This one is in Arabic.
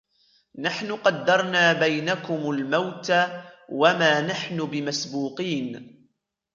نَحْنُ قَدَّرْنَا بَيْنَكُمُ الْمَوْتَ وَمَا نَحْنُ بِمَسْبُوقِينَ